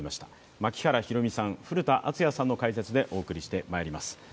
槙原寛己さん、古田敦也さんの解説でお送りしてまいります。